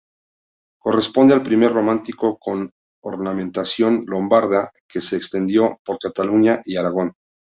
Corresponde al primer románico con ornamentación lombarda que se extendió por Cataluña y Aragón.